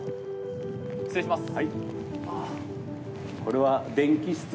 失礼します。